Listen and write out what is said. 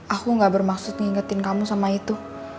aku gak bermaksud ngingetin kamu sama itu